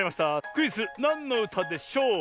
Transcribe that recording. クイズ「なんのうたでしょう」！